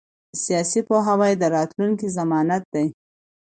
سیاسي پوهاوی د راتلونکي ضمانت دی